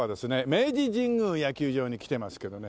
明治神宮野球場に来てますけどね